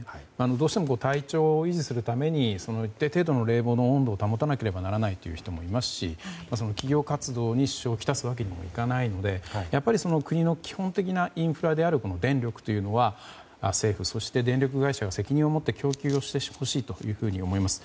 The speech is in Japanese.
どうしても体調を維持するために一定程度の冷房の温度を保たなければいけない人もいますし企業活動に支障をきたすわけにもいかないのでやっぱり国の基本的なインフラである電力というのは政府、そして電力会社は責任を持って供給してほしいと思います。